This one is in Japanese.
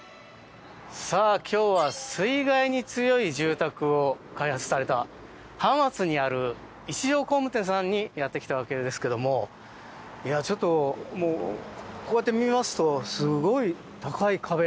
今日は水害に強い住宅を開発された浜松にある一条工務店さんにやってきたわけですがちょっと、こうやって見ますとすごい高い壁。